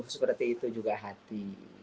seperti itu juga hati